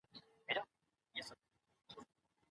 هغه سندره وایي